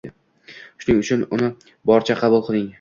Shuning uchun uni boricha qabul qiling: